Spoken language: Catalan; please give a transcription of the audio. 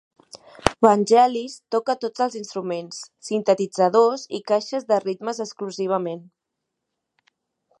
Vangelis toca tots els instruments: sintetitzadors i caixes de ritmes exclusivament.